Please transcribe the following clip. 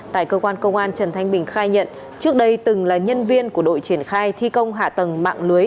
tại cơ quan công an trần thanh bình khai nhận trước đây từng là nhân viên của đội triển khai thi công hạ tầng mạng lưới